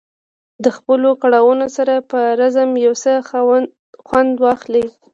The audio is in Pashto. د خپلو کړاوونو سره په رزم یو څه خوند واخلي.